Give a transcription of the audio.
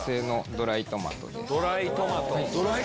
ドライトマト！